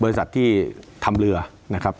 บริษัทที่ทำเรือนะครับ